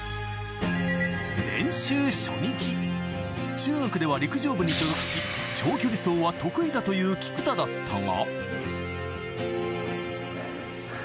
中学では陸上部に所属し長距離走は得意だという菊田だったが。